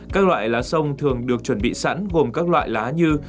các loại lá sông thường được chuẩn bị sẵn gồm các loại lá như